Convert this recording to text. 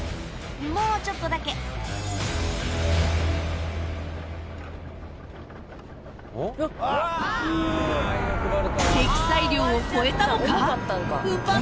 もうちょっとだけ積載量を超えたのか？